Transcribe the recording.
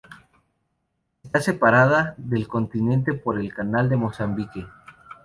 Está separada del continente por el canal de Mozambique.